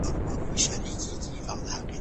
له يوې خوا ازاد انسان خرڅول جرم دی